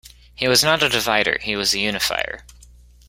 He was not a divider; he was a unifier.